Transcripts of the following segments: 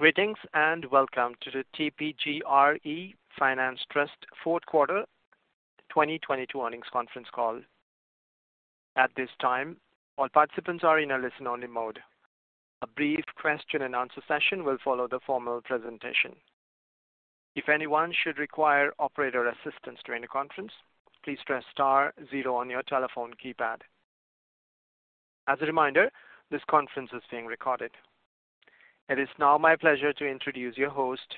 Greetings, welcome to the TPG RE Finance Trust fourth quarter 2022 earnings conference call. At this time, all participants are in a listen-only mode. A brief question and answer session will follow the formal presentation. If anyone should require operator assistance during the conference, please press star zero on your telephone keypad. As a reminder, this conference is being recorded. It is now my pleasure to introduce your host,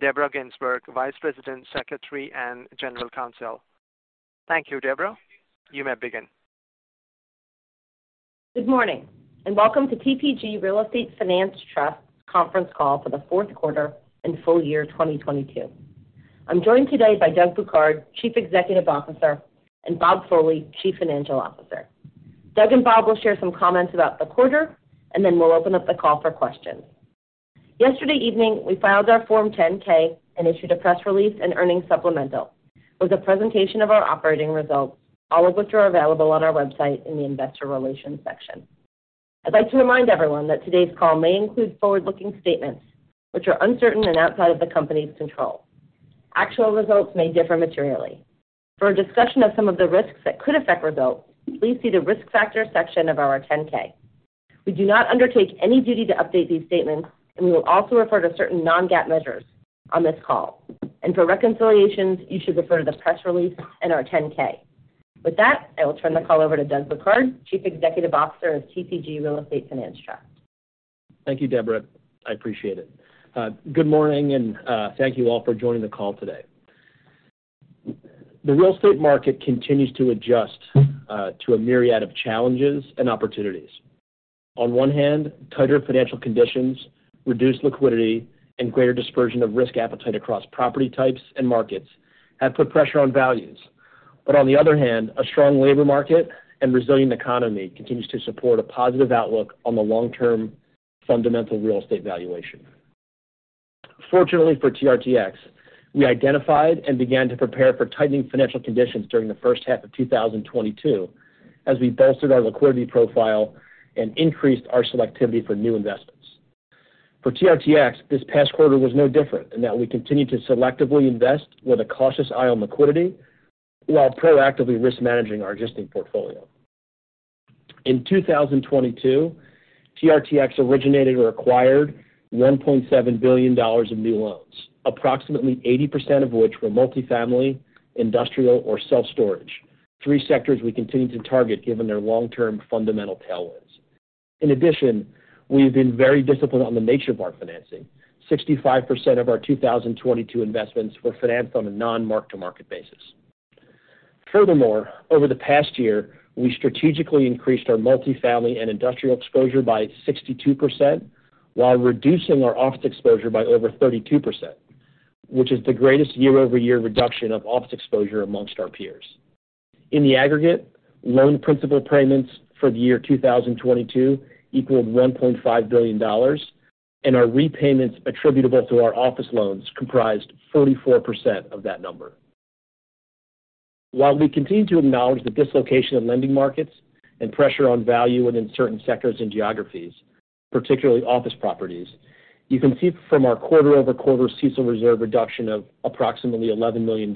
Deborah Ginsberg, Vice President, Secretary, and General Counsel. Thank you, Deborah. You may begin. Good morning, and welcome to TPG Real Estate Finance Trust conference call for the fourth quarter and full year 2022. I'm joined today by Doug Bouquard, Chief Executive Officer, and Bob Foley, Chief Financial Officer. Doug and Bob will share some comments about the quarter, and then we'll open up the call for questions. Yesterday evening, we filed our Form 10-K and issued a press release and earnings supplemental with a presentation of our operating results, all of which are available on our website in the investor relations section. I'd like to remind everyone that today's call may include forward-looking statements which are uncertain and outside of the company's control. Actual results may differ materially. For a discussion of some of the risks that could affect results, please see the risk factors section of our 10-K. We do not undertake any duty to update these statements. We will also refer to certain non-GAAP measures on this call. For reconciliations, you should refer to the press release and our Form 10-K. With that, I will turn the call over to Doug Bouquard, Chief Executive Officer of TPG Real Estate Finance Trust. Thank you, Deborah. I appreciate it. Good morning, and thank you all for joining the call today. The real estate market continues to adjust to a myriad of challenges and opportunities. On one hand, tighter financial conditions, reduced liquidity, and greater dispersion of risk appetite across property types and markets have put pressure on values. On the other hand, a strong labor market and resilient economy continues to support a positive outlook on the long-term fundamental real estate valuation. Fortunately for TRTX, we identified and began to prepare for tightening financial conditions during the first half of 2022 as we bolstered our liquidity profile and increased our selectivity for new investments. For TRTX, this past quarter was no different in that we continued to selectively invest with a cautious eye on liquidity while proactively risk managing our existing portfolio. In 2022, TRTX originated or acquired $1.7 billion in new loans, approximately 80% of which were multifamily, industrial, or self-storage, three sectors we continue to target given their long-term fundamental tailwinds. In addition, we have been very disciplined on the nature of our financing. 65% of our 2022 investments were financed on a non-mark-to-market basis. Furthermore, over the past year, we strategically increased our multifamily and industrial exposure by 62% while reducing our office exposure by over 32%, which is the greatest year-over-year reduction of office exposure amongst our peers. In the aggregate, loan principal payments for the year 2022 equaled $1.5 billion, and our repayments attributable to our office loans comprised 44% of that number. While we continue to acknowledge the dislocation of lending markets and pressure on value within certain sectors and geographies, particularly office properties, you can see from our quarter-over-quarter CECL reserve reduction of approximately $11 million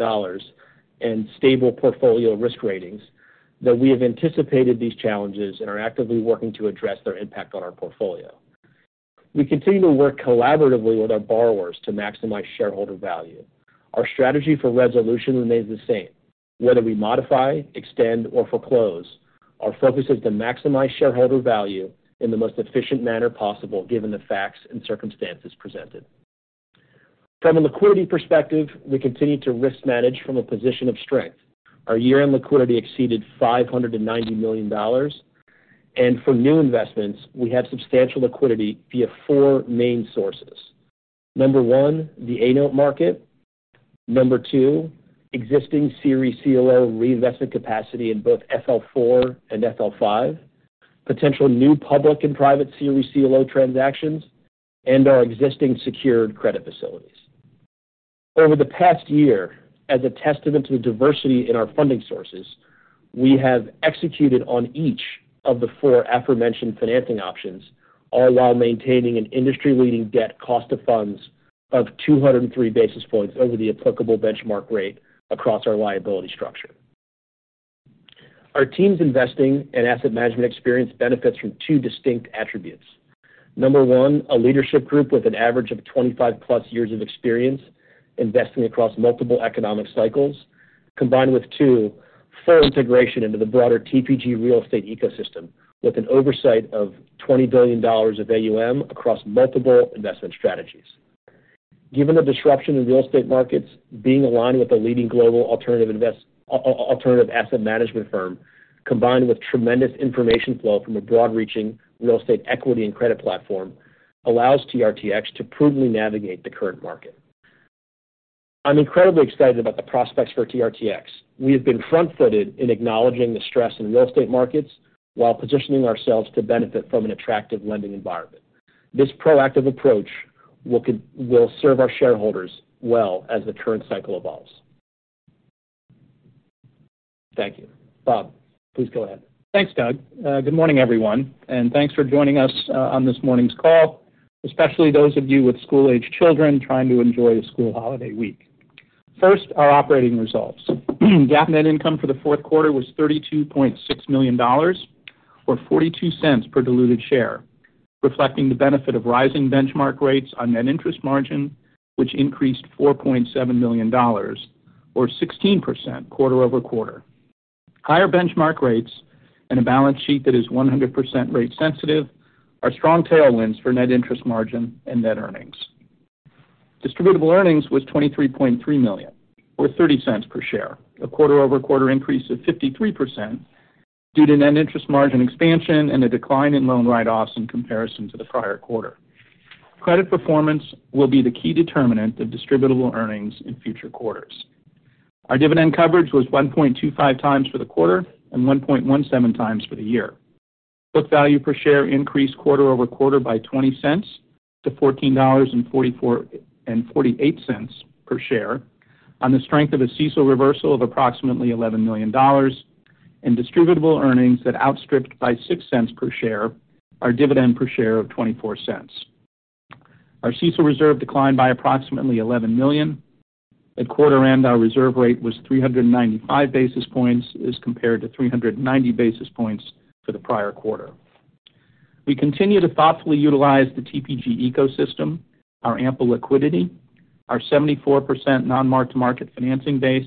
and stable portfolio risk ratings that we have anticipated these challenges and are actively working to address their impact on our portfolio. We continue to work collaboratively with our borrowers to maximize shareholder value. Our strategy for resolution remains the same. Whether we modify, extend, or foreclose, our focus is to maximize shareholder value in the most efficient manner possible given the facts and circumstances presented. From a liquidity perspective, we continue to risk manage from a position of strength. Our year-end liquidity exceeded $590 million. For new investments, we have substantial liquidity via four main sources. Number one, the A-note market. Number two, existing series CLO reinvestment capacity in both FL4 and FL5. Potential new public and private series CLO transactions. Our existing secured credit facilities. Over the past year, as a testament to the diversity in our funding sources, we have executed on each of the four aforementioned financing options, all while maintaining an industry-leading debt cost of funds of 203 basis points over the applicable benchmark rate across our liability structure. Our team's investing and asset management experience benefits from two distinct attributes. Number one, a leadership group with an average of 25+ years of experience investing across multiple economic cycles, combined with, two, full integration into the broader TPG Real Estate ecosystem with an oversight of $20 billion of AUM across multiple investment strategies. Given the disruption in real estate markets, being aligned with a leading global alternative asset management firm, combined with tremendous information flow from a broad-reaching real estate equity and credit platform, allows TRTX to prudently navigate the current market. I'm incredibly excited about the prospects for TRTX. We have been front-footed in acknowledging the stress in real estate markets while positioning ourselves to benefit from an attractive lending environment. This proactive approach will serve our shareholders well as the current cycle evolves. Thank you. Bob, please go ahead. Thanks, Doug. Good morning, everyone, thanks for joining us on this morning's call, especially those of you with school-age children trying to enjoy a school holiday week. First, our operating results. GAAP net income for the fourth quarter was $32.6 million or $0.42 per diluted share, reflecting the benefit of rising benchmark rates on net interest margin, which increased $4.7 million or 16% quarter-over-quarter. Higher benchmark rates and a balance sheet that is 100% rate sensitive are strong tailwinds for net interest margin and net earnings. Distributable Earnings was $23.3 million or $0.30 per share, a quarter-over-quarter increase of 53% due to net interest margin expansion and a decline in loan write-offs in comparison to the prior quarter. Credit performance will be the key determinant of distributable earnings in future quarters. Our dividend coverage was 1.25x for the quarter and 1.17x for the year. Book value per share increased quarter-over-quarter by $0.20 to $14.48 per share on the strength of a CECL reversal of approximately $11 million and distributable earnings that outstripped by $0.06 per share, our dividend per share of $0.24. Our CECL reserve declined by approximately $11 million. At quarter end, our reserve rate was 395 basis points as compared to 390 basis points for the prior quarter. We continue to thoughtfully utilize the TPG ecosystem, our ample liquidity, our 74% non-mark-to-market financing base,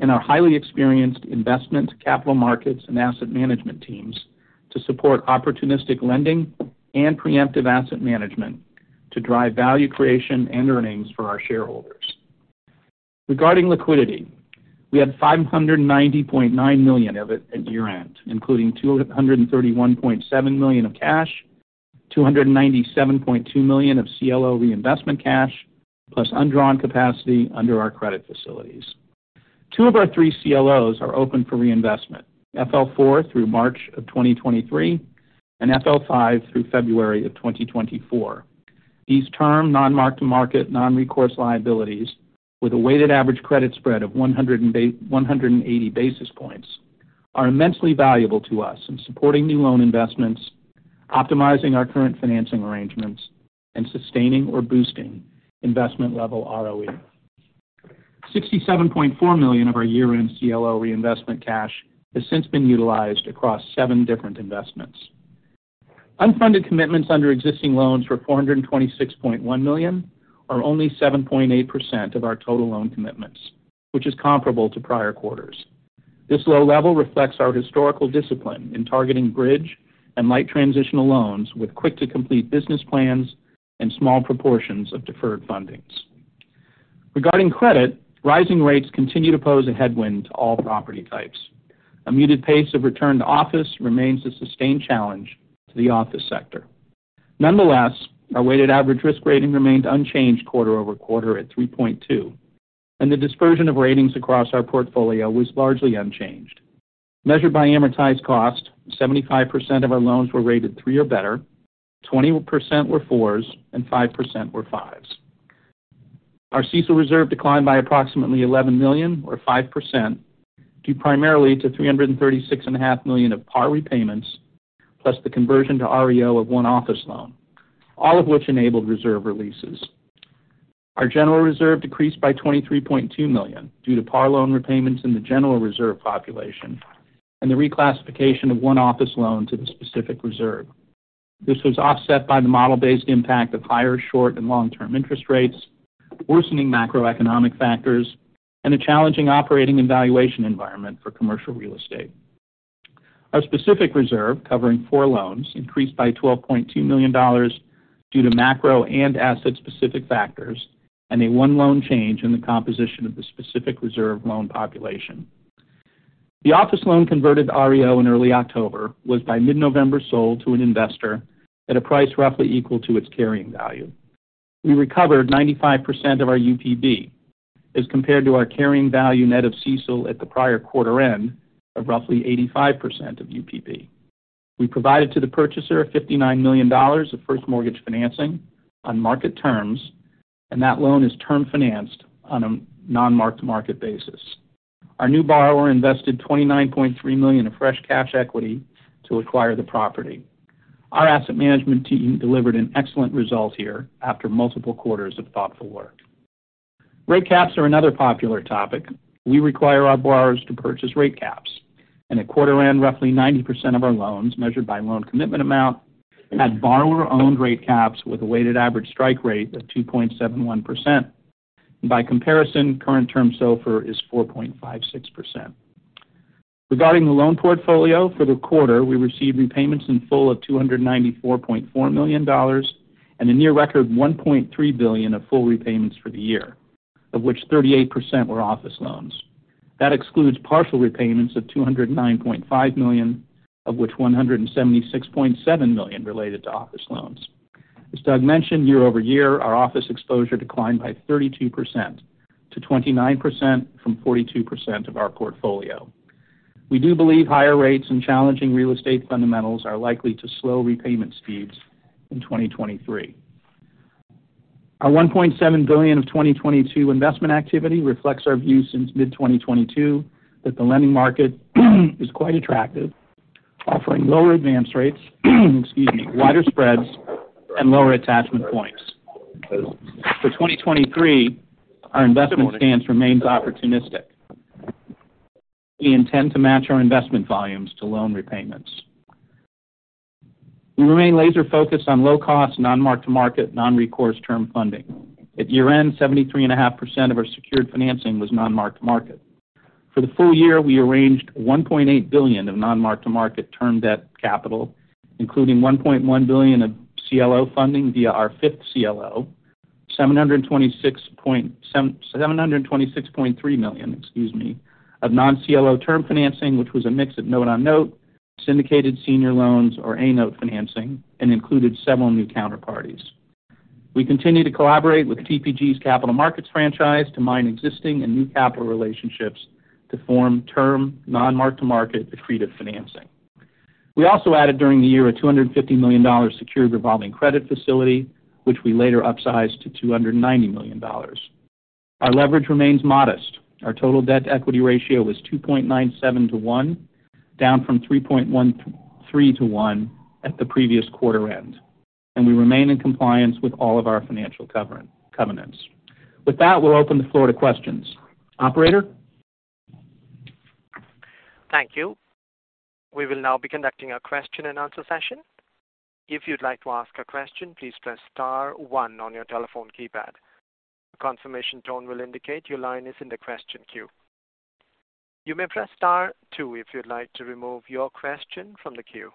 and our highly experienced investment, capital markets, and asset management teams to support opportunistic lending and preemptive asset management to drive value creation and earnings for our shareholders. Regarding liquidity, we had $590.9 million of it at year-end, including $231.7 million of cash, $297.2 million of CLO reinvestment cash, plus undrawn capacity under our credit facilities. Two of our three CLOs are open for reinvestment, FL4 through March of 2023 and FL5 through February of 2024. These term non-mark-to-market, non-recourse liabilities with a weighted average credit spread of 180 basis points are immensely valuable to us in supporting new loan investments, optimizing our current financing arrangements, and sustaining or boosting investment-level ROE. $67.4 million of our year-end CLO reinvestment cash has since been utilized across seven different investments. Unfunded commitments under existing loans were $426.1 million, or only 7.8% of our total loan commitments, which is comparable to prior quarters. This low level reflects our historical discipline in targeting bridge and light transitional loans with quick-to-complete business plans and small proportions of deferred fundings. Regarding credit, rising rates continue to pose a headwind to all property types. A muted pace of return to office remains a sustained challenge to the office sector. Nonetheless, our weighted average risk rating remained unchanged quarter-over-quarter at 3.2, and the dispersion of ratings across our portfolio was largely unchanged. Measured by amortized cost, 75% of our loans were rated three or better, 20% were 4s, and 5% were 5s. Our CECL reserve declined by approximately $11 million or 5%, due primarily to $336.5 million Of par repayments plus the conversion to REO of one office loan, all of which enabled reserve releases. Our general reserve decreased by $23.2 million due to par loan repayments in the general reserve population and the reclassification of one office loan to the specific reserve. This was offset by the model-based impact of higher short and long-term interest rates, worsening macroeconomic factors, and a challenging operating and valuation environment for commercial real estate. Our specific reserve, covering four loans, increased by $12.2 million due to macro and asset-specific factors and a one loan change in the composition of the specific reserve loan population. The office loan converted to REO in early October was by mid-November sold to an investor at a price roughly equal to its carrying value. We recovered 95% of our UPB as compared to our carrying value net of CECL at the prior quarter end of roughly 85% of UPB. We provided to the purchaser $59 million of first mortgage financing on market terms, that loan is term financed on a non-mark-to-market basis. Our new borrower invested $29.3 million of fresh cash equity to acquire the property. Our asset management team delivered an excellent result here after multiple quarters of thoughtful work. Rate caps are another popular topic. We require our borrowers to purchase rate caps. At quarter end, roughly 90% of our loans, measured by loan commitment amount, had borrower-owned rate caps with a weighted average strike rate of 2.71%. By comparison, current term SOFR is 4.56%. Regarding the loan portfolio, for the quarter, we received repayments in full of $294.4 million and a near record $1.3 billion of full repayments for the year, of which 38% were office loans. That excludes partial repayments of $209.5 million, of which $176.7 million related to office loans. As Doug mentioned, year-over-year, our office exposure declined by 32% to 29% from 42% of our portfolio. We do believe higher rates and challenging real estate fundamentals are likely to slow repayment speeds in 2023. Our $1.7 billion of 2022 investment activity reflects our view since mid-2022 that the lending market is quite attractive, offering lower advance rates, excuse me, wider spreads and lower attachment points. For 2023, our investment stance remains opportunistic. We intend to match our investment volumes to loan repayments. We remain laser-focused on low-cost, non-mark-to-market, non-recourse term funding. At year-end, 73.5% of our secured financing was non-mark-to-market. For the full year, we arranged $1.8 billion of non-mark-to-market term debt capital, including $1.1 billion of CLO funding via our fifth CLO, $726.3 million, excuse me, of non-CLO term financing, which was a mix of note-on-note, syndicated senior loans or A-note financing, and included several new counterparties. We continue to collaborate with TPG's capital markets franchise to mine existing and new capital relationships to form term non-mark-to-market accretive financing. We also added during the year a $250 million secured revolving credit facility, which we later upsized to $290 million. Our leverage remains modest. Our total debt-to-equity ratio was 2.97x to 1x, down from 3.13x to 1x at the previous quarter end. We remain in compliance with all of our financial covenants. With that, we'll open the floor to questions. Operator? Thank you. We will now be conducting a question and answer session. If you'd like to ask a question, please press star one on your telephone keypad. A confirmation tone will indicate your line is in the question queue. You may press star two if you'd like to remove your question from the queue.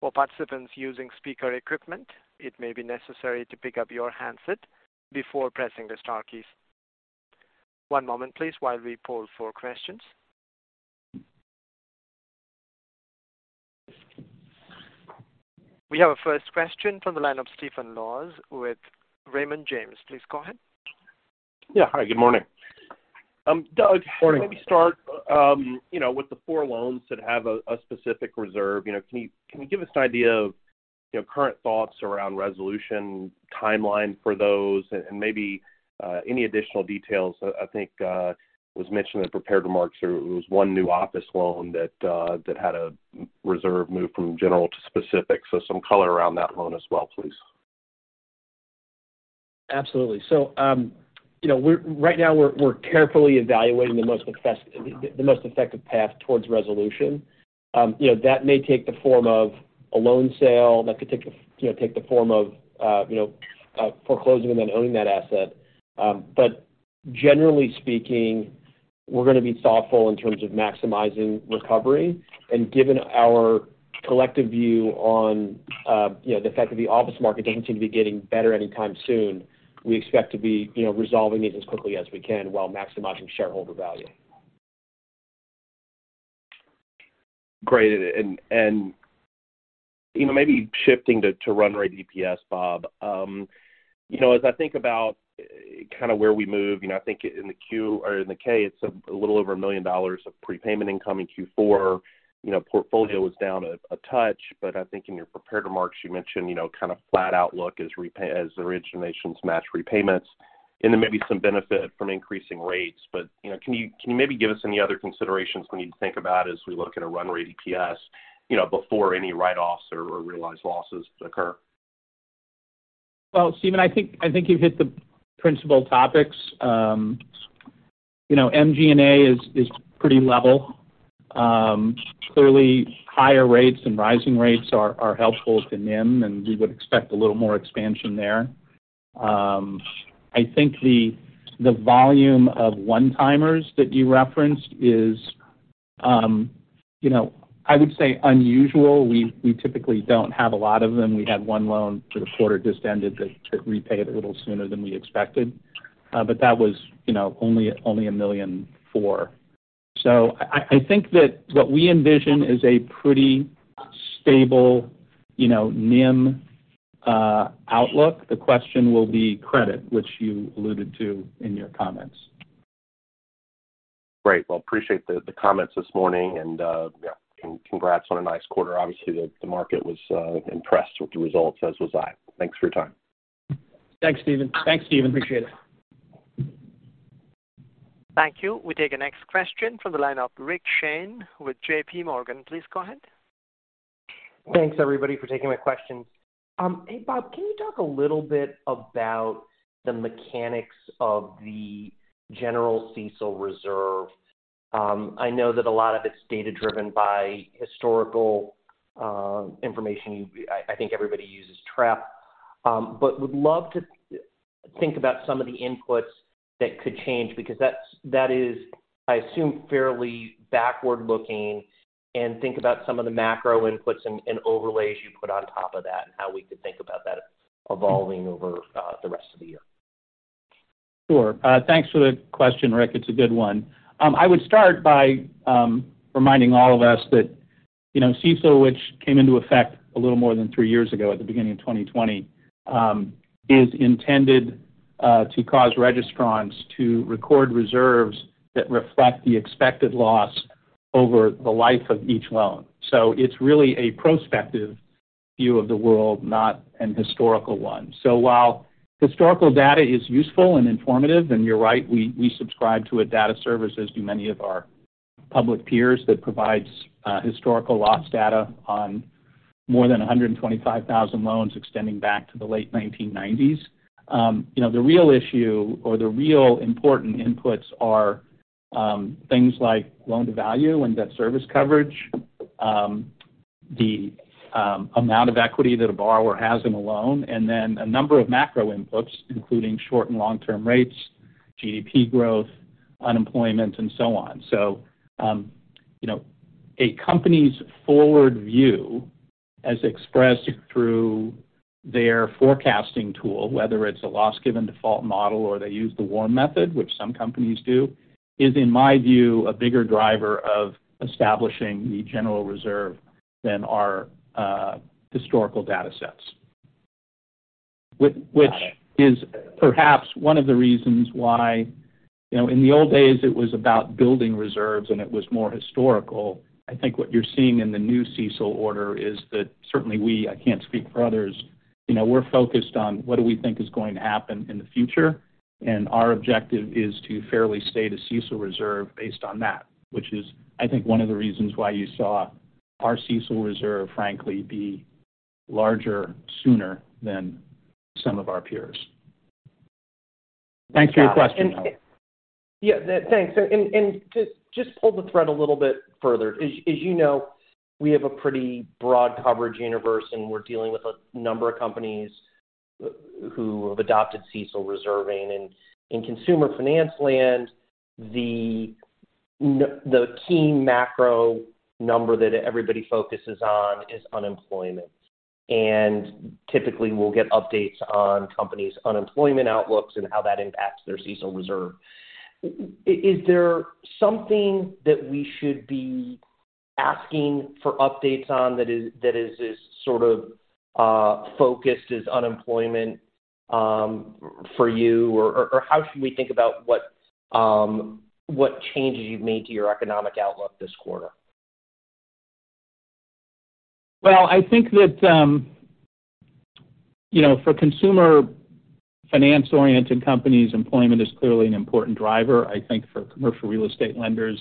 For participants using speaker equipment, it may be necessary to pick up your handset before pressing the star keys. One moment, please, while we poll for questions. We have a first question from the line of Stephen Laws with Raymond James. Please go ahead. Yeah. Hi, good morning. Morning. Doug, maybe start, you know, with the four loans that have a specific reserve. You know, can you give us an idea of, you know, current thoughts around resolution timeline for those and maybe any additional details? I think it was mentioned in prepared remarks there was one new office loan that had a reserve move from general to specific. Some color around that loan as well, please. Absolutely. You know, right now we're carefully evaluating the most effective path towards resolution. You know, that may take the form of a loan sale, that could you know, take the form of, you know, foreclosing and then owning that asset. Generally speaking, we're gonna be thoughtful in terms of maximizing recovery. Given our collective view on, you know, the fact that the office market doesn't seem to be getting better anytime soon, we expect to be, you know, resolving these as quickly as we can while maximizing shareholder value. Great. You know, maybe shifting to run rate EPS, Bob. You know, as I think about kind of where we move, you know, I think in the Q or in the K, it's a little over $1 million of prepayment income in Q4. You know, portfolio was down a touch, but I think in your prepared remarks you mentioned, you know, kind of flat outlook as originations match repayments and then maybe some benefit from increasing rates. You know, can you maybe give us any other considerations we need to think about as we look at a run rate EPS, you know, before any write-offs or realized losses occur? Stephen, I think you've hit the principal topics. You know, MG&A is pretty level. Clearly, higher rates and rising rates are helpful to NIM, we would expect a little more expansion there. I think the volume of one-timers that you referenced is, you know, I would say unusual. We typically don't have a lot of them. We had one loan for the quarter just ended that repaid a little sooner than we expected. That was, you know, only $1.4 million. I think that what we envision is a pretty stable, you know, NIM outlook. The question will be credit, which you alluded to in your comments. Great. Well, appreciate the comments this morning. Yeah, congrats on a nice quarter. Obviously, the market was impressed with the results, as was I. Thanks for your time. Thanks, Stephen. Thanks, Stephen. Appreciate it. Thank you. We take the next question from the line of Rick Shane with JPMorgan. Please go ahead. Thanks, everybody, for taking my questions. Hey, Bob, can you talk a little bit about the mechanics of the general CECL reserve? I know that a lot of it's data-driven by historical information. I think everybody uses Trepp. Would love to think about some of the inputs that could change because that's, that is, I assume, fairly backward-looking and think about some of the macro inputs and overlays you put on top of that and how we could think about that evolving over the rest of the year. Sure. Thanks for the question, Rick. It's a good one. I would start by reminding all of us that, you know, CECL, which came into effect a little more than three years ago at the beginning of 2020, is intended to cause registrants to record reserves that reflect the expected loss over the life of each loan. It's really a prospective view of the world, not an historical one. While historical data is useful and informative, and you're right, we subscribe to a data service, as do many of our public peers, that provides historical loss data on more than 125,000 loans extending back to the late 1990s. You know, the real issue or the real important inputs are things like loan-to-value and debt service coverage. The amount of equity that a borrower has in a loan, and then a number of macro inputs, including short and long-term rates, GDP growth, unemployment and so on. You know, a company's forward view, as expressed through their forecasting tool, whether it's a loss-given-default model or they use the WARM method, which some companies do, is, in my view, a bigger driver of establishing the general reserve than our historical data sets. Got it. Which is perhaps one of the reasons why, you know, in the old days, it was about building reserves, and it was more historical. I think what you're seeing in the new CECL order is that certainly we, I can't speak for others, you know, we're focused on what do we think is going to happen in the future, and our objective is to fairly state a CECL reserve based on that. Which is, I think, one of the reasons why you saw our CECL reserve, frankly, be larger sooner than some of our peers. Thanks for your question, though. Yeah. Thanks. Just pull the thread a little bit further. As you know, we have a pretty broad coverage universe, and we're dealing with a number of companies who have adopted CECL reserving. In consumer finance land, the key macro number that everybody focuses on is unemployment. Typically, we'll get updates on companies' unemployment outlooks and how that impacts their CECL reserve. Is there something that we should be asking for updates on that is as sort of focused as unemployment for you? Or how should we think about what changes you've made to your economic outlook this quarter? Well, I think that, you know, for consumer finance-oriented companies, employment is clearly an important driver. I think for commercial real estate lenders,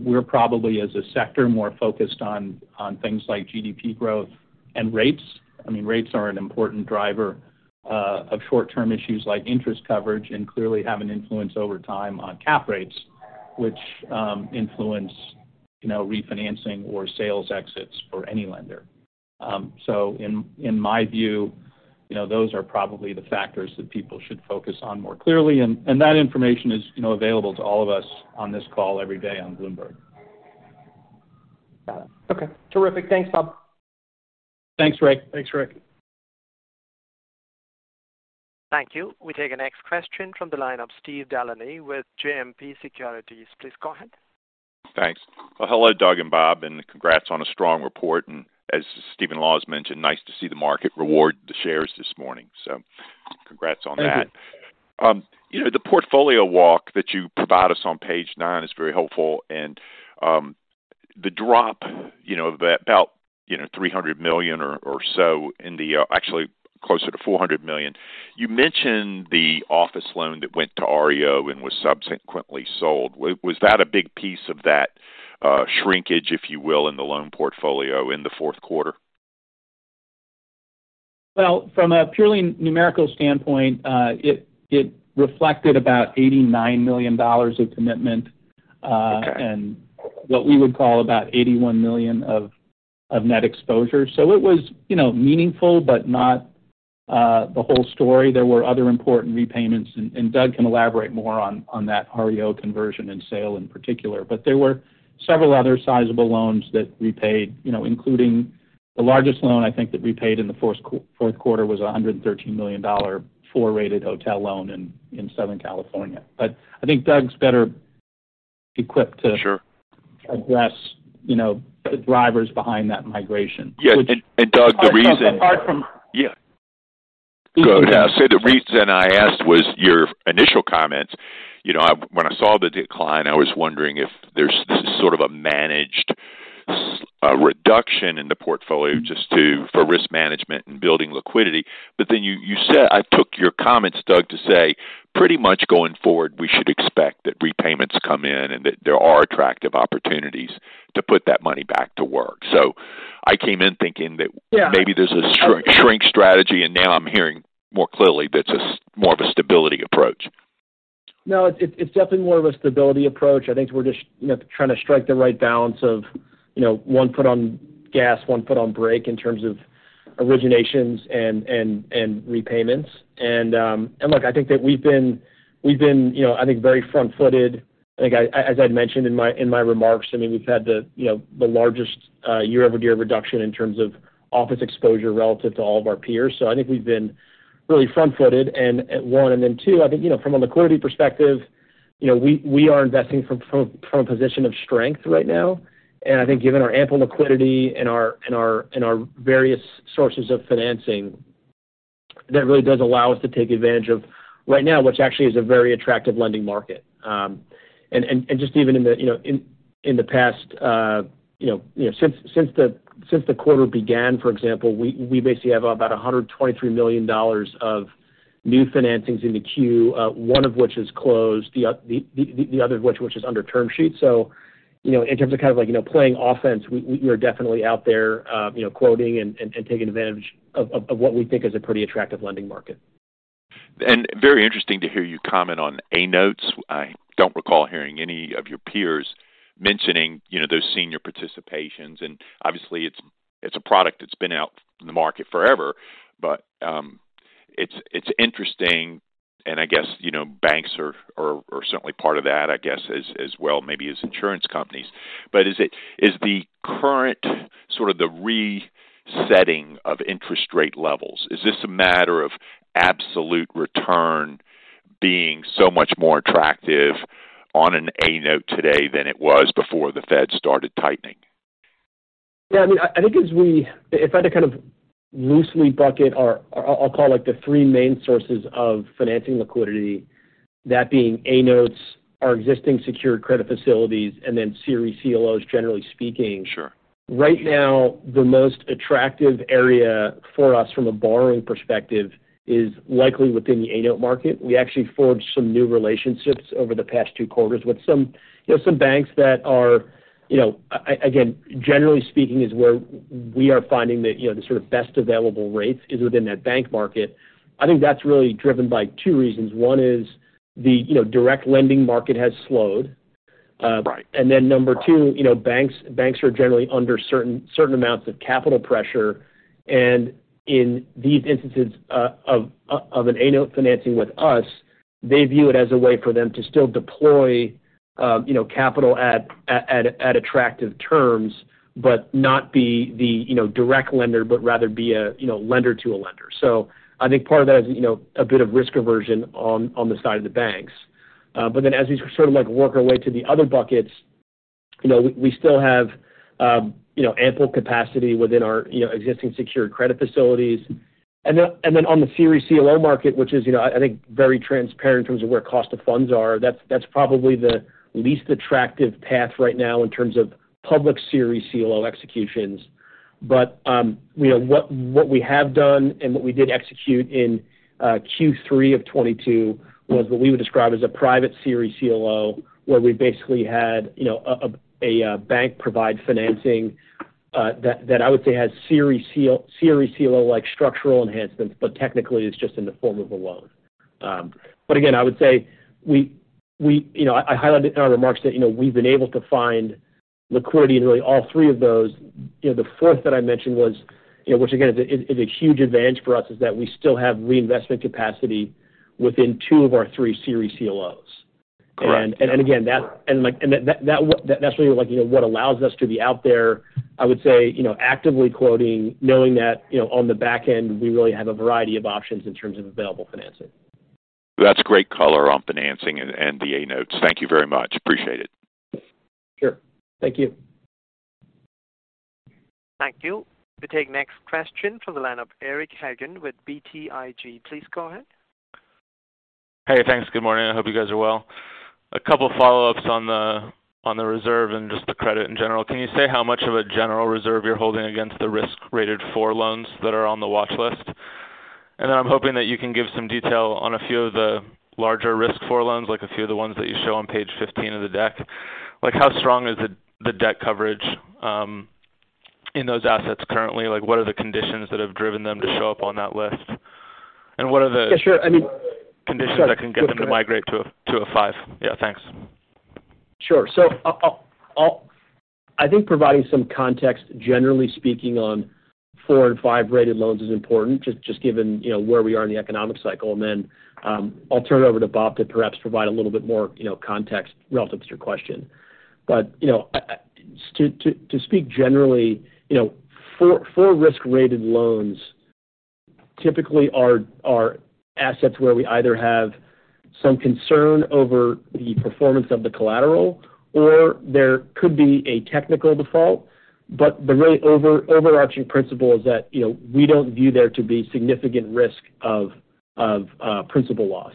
we're probably as a sector, more focused on things like GDP growth and rates. I mean, rates are an important driver of short-term issues like interest coverage and clearly have an influence over time on cap rates, which influence, you know, refinancing or sales exits for any lender. So in my view, you know, those are probably the factors that people should focus on more clearly, and that information is, you know, available to all of us on this call every day on Bloomberg. Got it. Okay. Terrific. Thanks, Bob. Thanks, Rick. Thank you. We take the next question from the line of Steve Delaney with JMP Securities. Please go ahead. Thanks. Hello, Doug and Bob, and congrats on a strong report. As Stephen Laws mentioned, nice to see the market reward the shares this morning. Congrats on that. Thank you. You know, the portfolio walk that you provide us on page 9 is very helpful. The drop, you know, about, you know, $300 million or so, actually closer to $400 million. You mentioned the office loan that went to REO and was subsequently sold. Was that a big piece of that shrinkage, if you will, in the loan portfolio in the fourth quarter? Well, from a purely numerical standpoint, it reflected about $89 million of commitment. Okay. What we would call about $81 million of net exposure. It was, you know, meaningful, but not the whole story. There were other important repayments, and Doug can elaborate more on that REO conversion and sale in particular. There were several other sizable loans that repaid, you know, including the largest loan, I think, that repaid in the fourth quarter was a $113 million four-rated hotel loan in Southern California. I think Doug's better equipped to. Sure. Address, you know, the drivers behind that migration. Yeah. And Doug, the reason-. Apart from- Yeah. The reason I asked was your initial comment. You know, when I saw the decline, I was wondering if there's sort of a managed reduction in the portfolio for risk management and building liquidity. You said... I took your comments, Doug, to say pretty much going forward, we should expect that repayments come in and that there are attractive opportunities to put that money back to work. I came in thinking that... Yeah. Maybe there's a shrink strategy, and now I'm hearing more clearly that it's more of a stability approach. No, it's definitely more of a stability approach. I think we're just, you know, trying to strike the right balance of, you know, one foot on gas, one foot on brake in terms of originations and repayments. Look, I think that we've been, you know, I think very front-footed. I think, as I'd mentioned in my remarks, I mean, we've had the, you know, the largest year-over-year reduction in terms of office exposure relative to all of our peers. I think we've been really front-footed and one, and then two, I think, you know, from a liquidity perspective, you know, we are investing from a position of strength right now. I think given our ample liquidity and our various sources of financing. That really does allow us to take advantage of right now, which actually is a very attractive lending market. Just even in the, you know, in the past, you know, since the quarter began, for example, we basically have about $123 million of new financings in the queue, one of which is closed, the other which is under term sheet. You know, in terms of kind of like, you know, playing offense, we are definitely out there, you know, quoting and taking advantage of what we think is a pretty attractive lending market. Very interesting to hear you comment on A-notes. I don't recall hearing any of your peers mentioning, you know, those senior participations. Obviously it's a product that's been out in the market forever. It's interesting, and I guess, you know, banks are certainly part of that, I guess, as well, maybe as insurance companies. Is the current sort of the resetting of interest rate levels? Is this a matter of absolute return being so much more attractive on an A-note today than it was before the Fed started tightening? Yeah. I mean, I think if I had to kind of loosely bucket or I'll call it the three main sources of financing liquidity, that being A-notes, our existing secured credit facilities, and then series CLOs, generally speaking. Sure. Right now, the most attractive area for us from a borrowing perspective is likely within the A-note market. We actually forged some new relationships over the past two quarters with some, you know, some banks that are, you know. Again, generally speaking, is where we are finding that, you know, the sort of best available rates is within that bank market. I think that's really driven by two reasons. One is the, you know, direct lending market has slowed. Right. Number two, you know, banks are generally under certain amounts of capital pressure. In these instances, of an A-note financing with us, they view it as a way for them to still deploy, you know, capital at attractive terms, but not be the, you know, direct lender, but rather be a, you know, lender to a lender. I think part of that is, you know, a bit of risk aversion on the side of the banks. As we sort of like work our way to the other buckets, you know, we still have, you know, ample capacity within our, you know, existing secured credit facilities. On the series CLO market, which is, you know, I think very transparent in terms of where cost of funds are, that's probably the least attractive path right now in terms of public series CLO executions. You know, what we have done and what we did execute in Q3 of 2022 was what we would describe as a private series CLO, where we basically had, you know, a bank provide financing that I would say has series CLO-like structural enhancements, but technically it's just in the form of a loan. Again, I would say, you know, I highlighted in our remarks that, you know, we've been able to find liquidity in really all three of those. You know, the fourth that I mentioned was, you know, which again, is a huge advantage for us, is that we still have reinvestment capacity within two of our three series CLOs. Correct. That's really like, you know, what allows us to be out there, I would say, you know, actively quoting, knowing that, you know, on the back end, we really have a variety of options in terms of available financing. That's great color on financing and the A-notes. Thank you very much. Appreciate it. Sure. Thank you. Thank you. We take next question from the line of Eric Hagen with BTIG. Please go ahead. Hey, thanks. Good morning. I hope you guys are well. A couple follow-ups on the, on the reserve and just the credit in general. Can you say how much of a general reserve you're holding against the risk rated four loans that are on the watch list? I'm hoping that you can give some detail on a few of the larger risk four loans, like a few of the ones that you show on page 15 of the deck. Like, how strong is the debt coverage in those assets currently? Like, what are the conditions that have driven them to show up on that list? What are the-. Yeah, sure. Conditions that can get them to migrate to a five. Yeah, thanks. Sure. I think providing some context, generally speaking, on four and five-rated loans is important, just given, you know, where we are in the economic cycle. Then, I'll turn it over to Bob to perhaps provide a little bit more, you know, context relative to your question. You know, to speak generally, you know, 4-risk-rated loans typically are assets where we either have some concern over the performance of the collateral or there could be a technical default. The really overarching principle is that, you know, we don't view there to be significant risk of principal loss.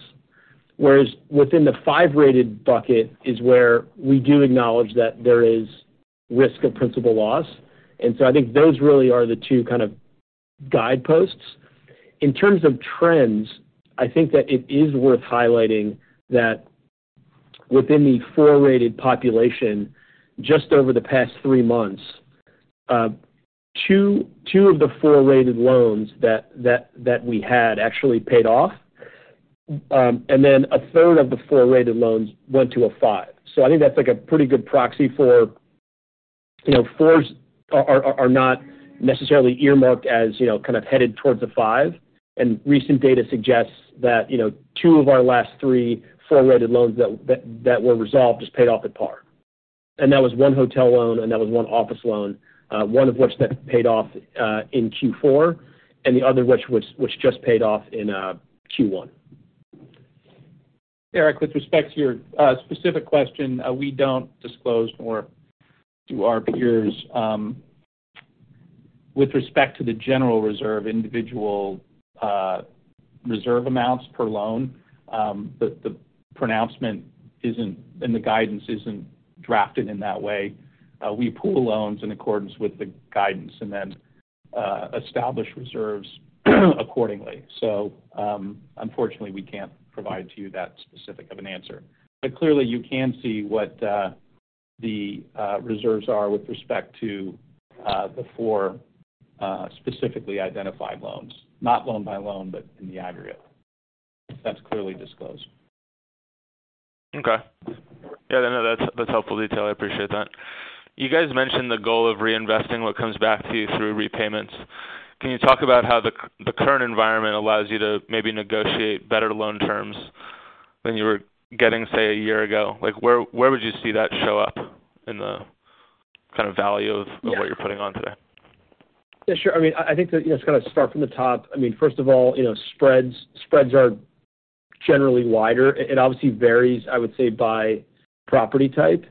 Whereas within the five-rated bucket is where we do acknowledge that there is risk of principal loss. So I think those really are the two kind of guideposts. In terms of trends, I think that it is worth highlighting that within the four-rated population, just over the past three months, two of the four-rated loans that we had actually paid off. 1/3 of the four-rated loans went to a five. So I think that's, like a pretty good proxy for, you know, fours are not necessarily earmarked as, you know, kind of headed towards a five. Recent data suggests that, you know, two of our last three four-rated loans that were resolved just paid off at par. That was one hotel loan, and that was one office loan, onefourof which that paid off in Q4, and the other which just paid off in Q1. Eric, with respect to your specific question, we don't disclose more to our peers, with respect to the general reserve individual reserve amounts per loan. The pronouncement and the guidance isn't drafted in that way. We pool loans in accordance with the guidance and then establish reserves accordingly. Unfortunately, we can't provide to you that specific of an answer. Clearly, you can see what the reserves are with respect to the four specifically identified loans. Not loan by loan, but in the aggregate. That's clearly disclosed. Yeah, no, that's helpful detail. I appreciate that. You guys mentioned the goal of reinvesting what comes back to you through repayments. Can you talk about how the current environment allows you to maybe negotiate better loan terms than you were getting, say, a year ago? Like, where would you see that show up in the kind of value of- Yeah. Of what you're putting on today? Yeah, sure. I mean, I think that, you know, it's gotta start from the top. I mean, first of all, you know, spreads are generally wider. It obviously varies, I would say, by property type.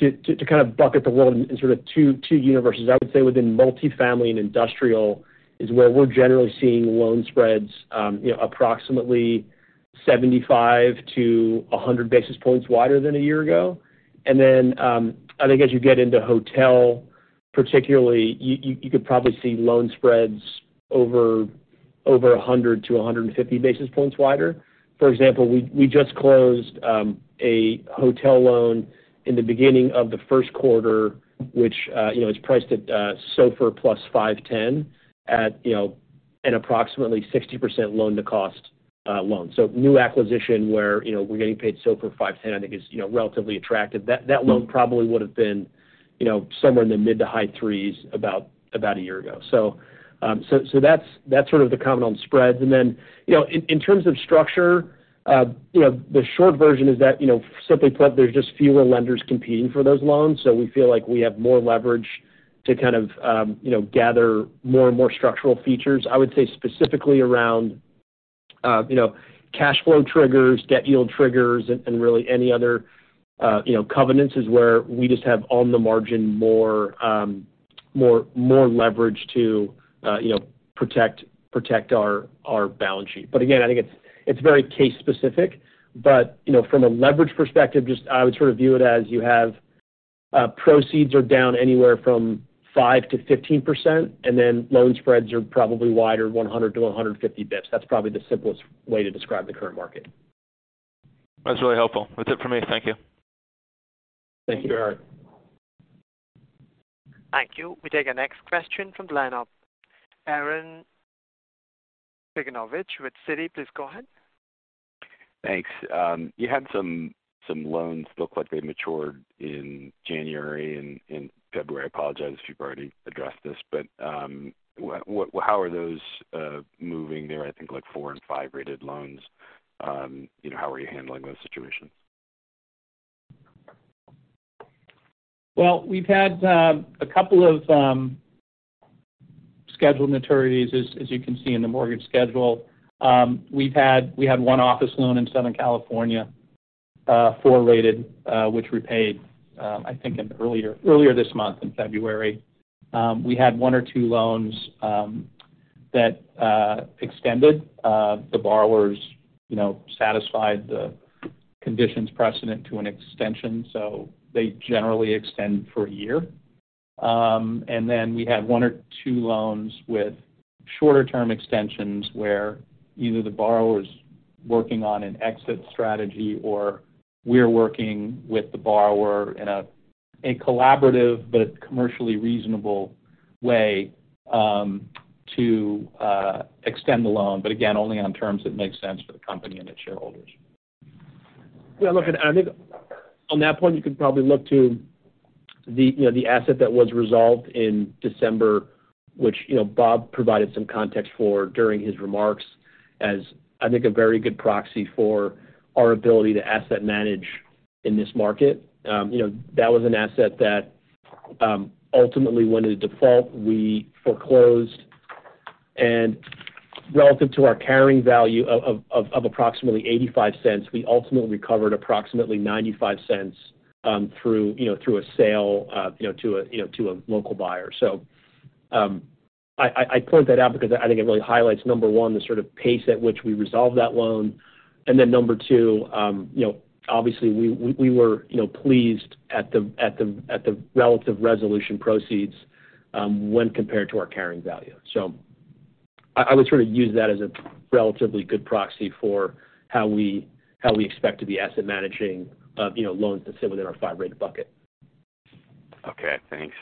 To kind of bucket the loan in sort of two universes. I would say within multifamily and industrial is where we're generally seeing loan spreads, you know, approximately 75 basis points-100 basis points wider than a year ago. I think as you get into hotel, particularly, you could probably see loan spreads over 100 basis points to 150 basis points wider. For example, we just closed a hotel loan in the beginning of the first quarter, which, you know, is priced at SOFR+ 510 at, you know, an approximately 60% loan-to-cost loan. new acquisition where, you know, we're getting paid SOFR 510, I think is, you know, relatively attractive. That loan probably would've been, you know, somewhere in the mid-to-high threes about a year ago. That's sort of the comment on spreads. you know, in terms of structure, you know, the short version is that, you know, simply put, there's just fewer lenders competing for those loans. we feel like we have more leverage to kind of, you know, gather more and more structural features. I would say specifically around, you know, cash flow triggers, debt yield triggers, and really any other, you know, covenants is where we just have on the margin more leverage to, you know, protect our balance sheet. Again, I think it's very case specific. You know, from a leverage perspective, just I would sort of view it as you have, proceeds are down anywhere from 5%-15%, and then loan spreads are probably wider 100 to 150 basis points. That's probably the simplest way to describe the current market. That's really helpful. That's it for me. Thank you. Thank you, Eric. Thank you. We take our next question from the line of Arren Cyganovich with Citi. Please go ahead. Thanks. you had some loans look like they matured in January and February. I apologize if you've already addressed this. how are those moving there? I think like four and five rated loans. you know, how are you handling those situations? Well, we've had a couple of scheduled maturities as you can see in the mortgage schedule. We had one office loan in Southern California, four rated, which repaid, I think in earlier this month in February. We had one or two loans that extended, the borrowers, you know, satisfied the conditions precedent to an extension, so they generally extend for one year. Then we had one or two loans with shorter term extensions, where either the borrower's working on an exit strategy or we're working with the borrower in a collaborative but commercially reasonable way to extend the loan. Again, only on terms that make sense for the company and its shareholders. Yeah, look, and I think on that point, you could probably look to the, you know, the asset that was resolved in December, which, you know, Bob provided some context for during his remarks as, I think, a very good proxy for our ability to asset manage in this market. You know, that was an asset that ultimately went into default. We foreclosed. Relative to our carrying value of approximately $0.85, we ultimately recovered approximately $0.95 through, you know, through a sale, you know, to a, you know, to a local buyer. I called that out because I think it really highlights, number one, the sort of pace at which we resolved that loan. Number two, you know, obviously we were, you know, pleased at the relative resolution proceeds when compared to our carrying value. I would sort of use that as a relatively good proxy for how we, how we expect to be asset managing, you know, loans that sit within our five-rated bucket. Okay, thanks.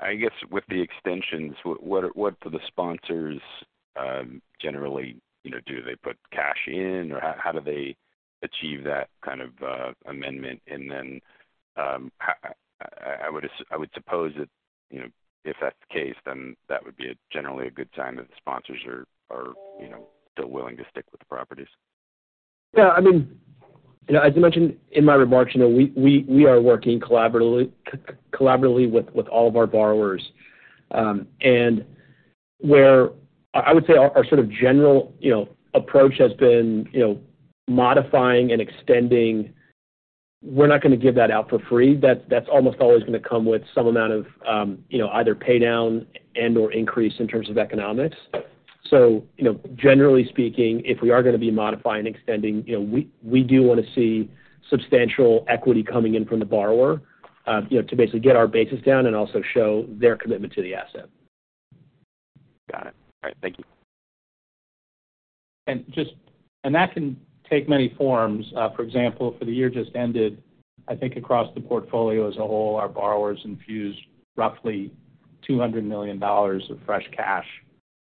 I guess with the extensions, what do the sponsors, generally, you know, do? They put cash in? Or how do they achieve that kind of amendment? I would suppose that, you know, if that's the case, then that would be a generally a good sign that the sponsors are, you know, still willing to stick with the properties. Yeah, I mean, you know, as I mentioned in my remarks, you know, we are working collaboratively with all of our borrowers. Where I would say our sort of general, you know, approach has been, you know, modifying and extending. We're not gonna give that out for free. That's almost always gonna come with some amount of, you know, either pay down and/or increase in terms of economics. Generally speaking, if we are gonna be modifying, extending, you know, we do wanna see substantial equity coming in from the borrower, you know, to basically get our basis down and also show their commitment to the asset. Got it. All right, thank you. That can take many forms. For example, for the year just ended, I think across the portfolio as a whole, our borrowers infused roughly $200 million of fresh cash.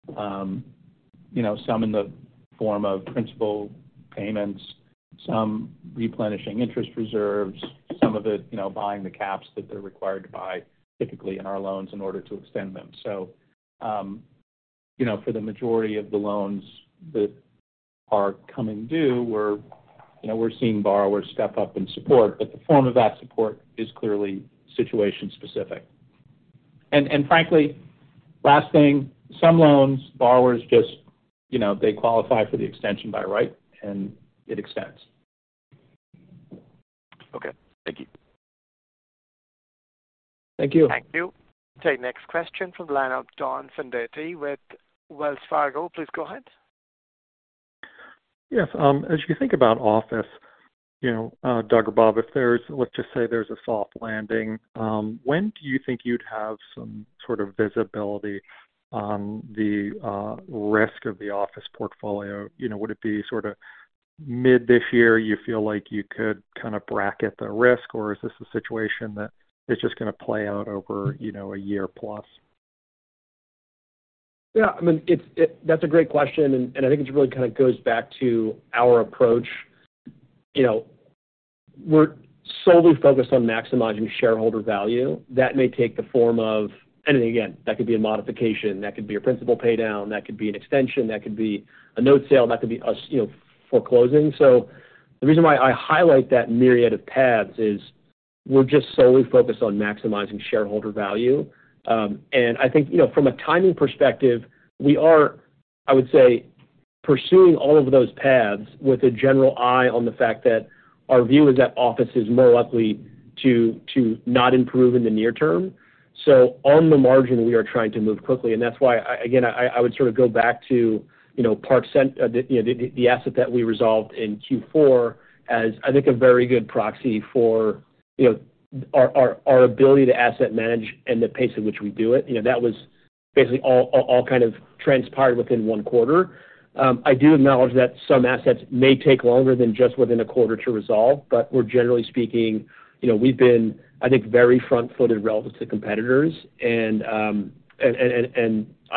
you know, some in the form of principal payments, some replenishing interest reserves, some of it, you know, buying the caps that they're required to buy typically in our loans in order to extend them. For the majority of the loans that are coming due, we're seeing borrowers step up and support, but the form of that support is clearly situation specific. frankly, last thing, some loans, borrowers just, you know, they qualify for the extension by right, and it extends. Okay, thank you. Thank you. Thank you. Take next question from the line of Don Fandetti with Wells Fargo. Please go ahead. Yes. As you think about office, you know, Doug or Bob, if there's, let's just say, there's a soft landing, when do you think you'd have some sort of visibility on the risk of the office portfolio? You know, would it be sorta mid this year, you feel like you could kinda bracket the risk? Or is this a situation that is just gonna play out over, you know, a year plus? Yeah, I mean, that's a great question, and I think it really kind of goes back to our approach. You know, we're solely focused on maximizing shareholder value. That may take the form of, anything, again, that could be a modification, that could be a principal pay down, that could be an extension, that could be a note sale, that could be us, you know, foreclosing. The reason why I highlight that myriad of paths is we're just solely focused on maximizing shareholder value. I think, you know, from a timing perspective, we are, I would say, pursuing all of those paths with a general eye on the fact that our view is that office is more likely to not improve in the near term. On the margin, we are trying to move quickly, and that's why I again, I would sort of go back to, you know, Park Central, the, you know, the asset that we resolved in Q4 as, I think, a very good proxy for, you know, our ability to asset manage and the pace at which we do it. You know, that was basically all kind of transpired within one quarter. I do acknowledge that some assets may take longer than just within a quarter to resolve, but we're generally speaking, you know, we've been, I think, very front-footed relative to competitors. And I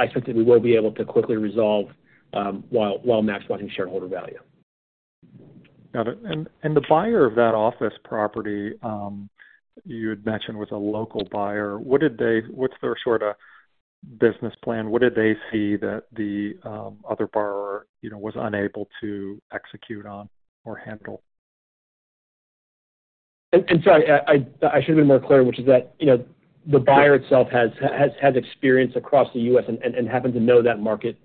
think that we will be able to quickly resolve, while maximizing shareholder value. Got it. The buyer of that office property, you had mentioned was a local buyer. What's their sort of business plan? What did they see that the other borrower, you know, was unable to execute on or handle? I should have been more clear, which is that, you know, the buyer itself has experience across the U.S. and happened to know that market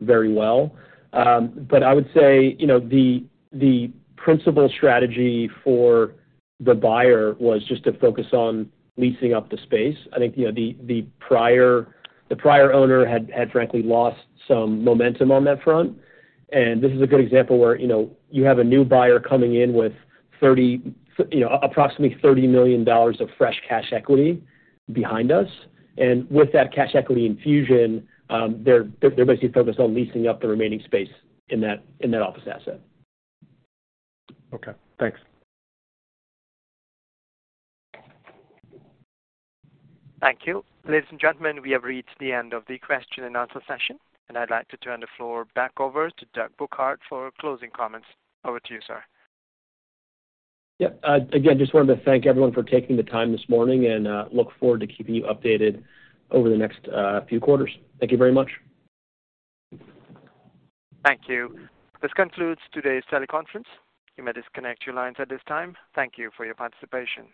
very well. I would say, you know, the principal strategy for the buyer was just to focus on leasing up the space. I think, you know, the prior owner had frankly lost some momentum on that front. This is a good example where, you know, you have a new buyer coming in with 30, you know, approximately $30 million of fresh cash equity behind us. With that cash equity infusion, they're basically focused on leasing up the remaining space in that office asset. Okay, thanks. Thank you. Ladies and gentlemen, we have reached the end of the question and answer session. I'd like to turn the floor back over to Doug Bouquard for closing comments. Over to you, sir. Yeah. again, just wanted to thank everyone for taking the time this morning, and look forward to keeping you updated over the next few quarters. Thank you very much. Thank you. This concludes today's teleconference. You may disconnect your lines at this time. Thank you for your participation.